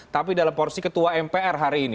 tapi dalam porsi ketua mpr hari ini